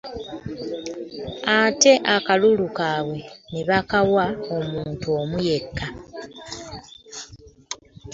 Ate akalulu kaabwe ne bakawa omuntu omu yekka.